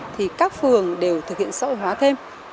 thì các phường đều thực hiện xã hội hóa thêm